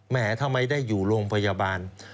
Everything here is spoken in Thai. ทำไมได้อยู่โรงพยาบาล